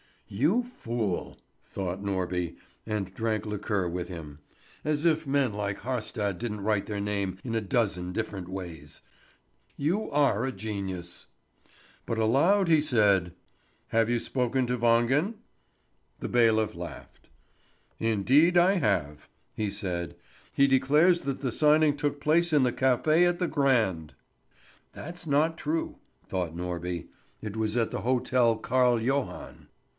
"You fool!" thought Norby, and drank liqueur with him. "As if men like Haarstad didn't write their name in a dozen different ways. You are a genius!" But aloud he said: "Have you spoken to Wangen?" The bailiff laughed. "Indeed I have," he said. "He declares that the signing took place in the café at the Grand." "That's not true," thought Norby; "it was at the Hotel Carl Johan."